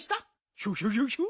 ヒョヒョヒョヒョ？